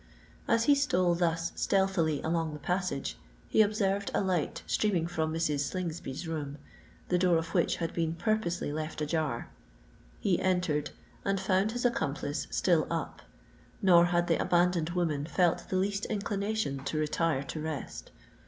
As he stole thus stealthily along the passage, he observed a light streaming from Mrs. Slingsby's room, the door of which had been purposely left ajar. He entered, and found his accomplice still up; nor had the abandoned woman felt the least inclination to retire to rest.